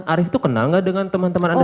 arief tuh kenal gak dengan teman teman anda